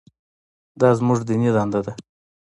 دا زموږ دیني دنده ده.